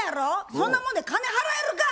そんなもんで金払えるか。